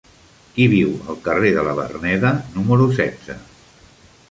Qui viu al carrer de la Verneda número setze?